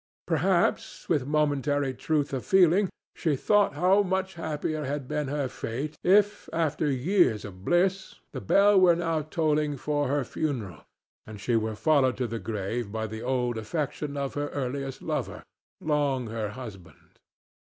Perhaps, with momentary truth of feeling, she thought how much happier had been her fate if, after years of bliss, the bell were now tolling for her funeral and she were followed to the grave by the old affection of her earliest lover, long her husband.